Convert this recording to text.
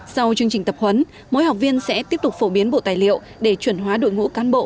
sau chương trình tập huấn mỗi học viên sẽ tiếp tục phổ biến bộ tài liệu để chuẩn hóa đội ngũ cán bộ